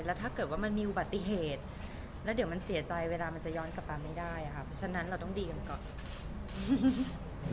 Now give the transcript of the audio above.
แล้วถ้าเกิดว่ามันมีอุบัติเหตุแล้วเดี๋ยวมันเสียใจเวลามันจะย้อนกลับมาไม่ได้ค่ะเพราะฉะนั้นเราต้องดีกันก่อน